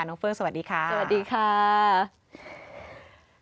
น้องเฟื้องสวัสดีค่ะสวัสดีค่ะสวัสดีค่ะ